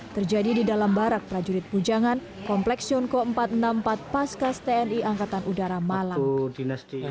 terjadi di dalam barak prajurit pujangan kompleks yonko empat ratus enam puluh empat paskas tni angkatan udara malang